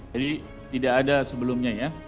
jadi tidak ada sebelumnya ya